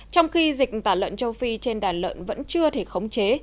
trong khi dịch tả lợn châu phi trên đàn lợn vẫn chưa thể khống chế